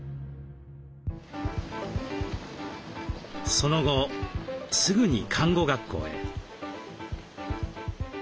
その後すぐに看護学校へ。